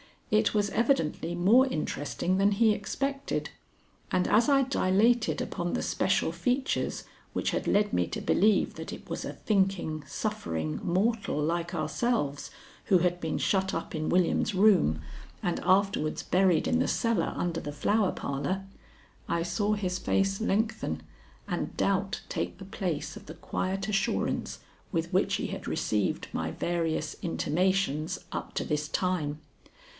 It was evidently more interesting than he expected, and as I dilated upon the special features which had led me to believe that it was a thinking, suffering mortal like ourselves who had been shut up in William's room and afterwards buried in the cellar under the Flower Parlor, I saw his face lengthen and doubt take the place of the quiet assurance with which he had received my various intimations up to this time.